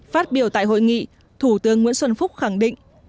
phát biểu tại hội nghị thủ tướng nguyễn xuân phúc khẳng định